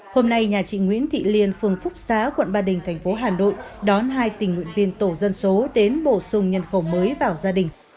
hôm nay nhà chị nguyễn thị liên phường phúc xá quận ba đình thành phố hà nội đón hai tình nguyện viên tổ dân số đến bổ sung nhân khẩu mới vào gia đình